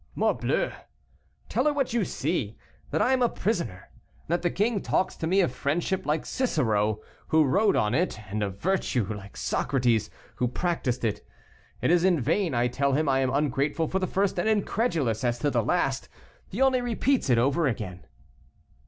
"Morbleu! tell her what you see; that I am a prisoner, and that the king talks to me of friendship like Cicero, who wrote on it; and of virtue like Socrates, who practised it. It is in vain I tell him I am ungrateful for the first, and incredulous as to the last: he only repeats it over again."